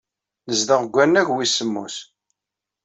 Nezdeɣ deg wannag wis semmus.